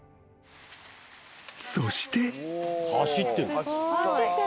［そして］